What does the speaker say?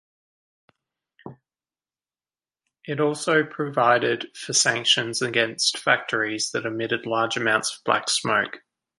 It also provided for sanctions against factories that emitted large amounts of black smoke.